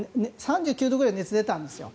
３９度ぐらい熱が出たんですよ。